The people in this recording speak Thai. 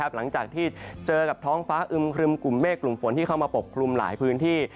หลังจากที่เจอกับท้องฟ้าอึมครึมกลุ่มเมฆกลุ่มฝนที่เข้ามาปกคลุมหลายพื้นที่